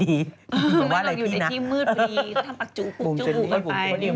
ไม่ต้องอยู่ในที่มืดดีต้องทำปักจูบกล่วยไป